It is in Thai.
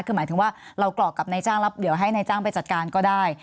คือหมายถึงว่าเรากรอกกับนายจ้างแล้วเดี๋ยวให้นายจ้างไปจัดการก็ได้